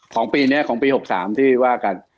ปีนี้ของปี๖๓ที่ว่ากัน